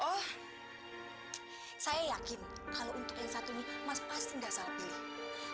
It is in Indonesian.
oh saya yakin kalau untuk yang satu ini mas pasti gak salah pilih